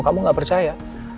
kamu gak percaya